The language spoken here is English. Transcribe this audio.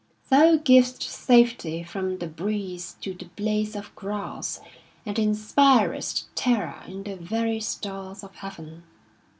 : Thougivest safety from the breeze to The tlie blades of grass, arid inspirest terror in the very Alhambra stars of heaven.